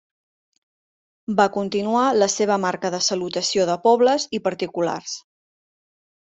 Va continuar la seva marca de salutació de pobles i particulars.